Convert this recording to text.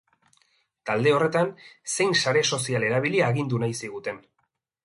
Talde horretan zein sare sozial erabili agindu nahi ziguten.